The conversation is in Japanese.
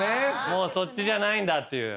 もうそっちじゃないんだっていう。